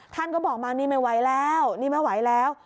ท่านก็บอกมานี่ไม่ไหวแล้วนี่ไม่ไหวแล้ว